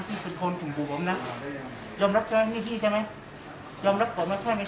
ที่สุดคนของผมผมนะยอมรับใช่ไหมนี่พี่ใช่ไหมยอมรับต่อมาใช่ไหม